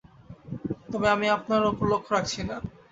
তবে আমি আপনার ওপর লক্ষ রাখছি না।